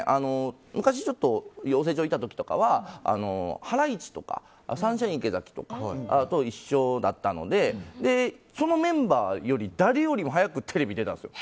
昔、養成所いた時はハライチとかサンシャイン池崎とかと一緒だったのでそのメンバーより誰よりも早くテレビ出たんですよ。